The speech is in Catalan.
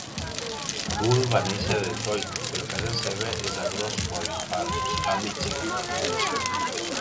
Buhl va néixer a Detroit però casa seva és Grosse Pointe Farms, a Michigan.